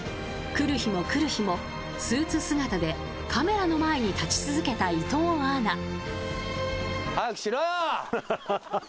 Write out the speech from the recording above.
来る日も来る日もスーツ姿でカメラの前に立ち続けた伊藤アナ。